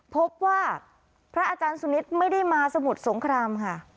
พบว่าพระอาจารย์สุนิทไม่ได้มาสมุทรสงครามค่ะ